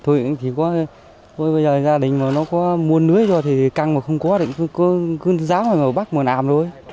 thôi bây giờ gia đình mà nó có muôn lưới cho thì căng mà không có định cứ ra ngoài bắt mà làm